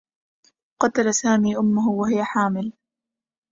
قتل سامي أمه وهي حامل